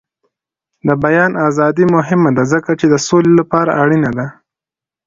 د بیان ازادي مهمه ده ځکه چې د سولې لپاره اړینه ده.